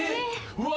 うわ！